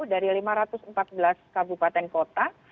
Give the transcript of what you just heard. dari lima ratus empat belas kabupaten kota